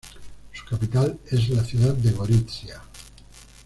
Su capital es la ciudad de Gorizia.